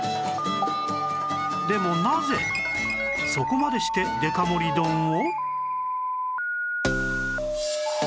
でもなぜそこまでしてデカ盛り丼を？